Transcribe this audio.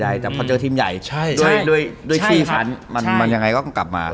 แม้จะฟอร์มตกใดแต่พอเจอทีมใหญ่ด้วยชีพศาลมันยังไงก็ก็กลับมา